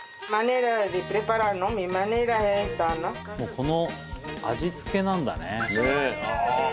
この味付けなんだね。